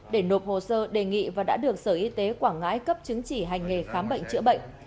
để nộp hồ sơ đề nghị và đã được sở y tế quảng ngãi cấp chứng chỉ hành nghề khám bệnh chữa bệnh